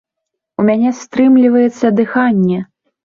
У мяне стрымліваецца дыханне.